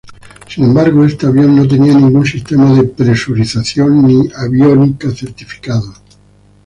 Sin embargo, este avión no tenía ningún sistema de presurización ni aviónica certificados.